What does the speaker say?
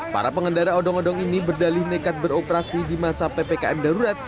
para pengendara odong odong ini berdalih nekat beroperasi di masa ppkm darurat